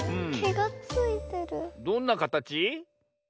どんなかたち？